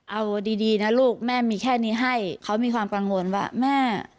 เอาดีดีนะลูกแม่มีแค่นี้ให้เขามีความกังวลว่าแม่